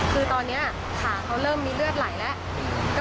คือตอนนี้ขาเขาเริ่มมีเลือดไหลแล้ว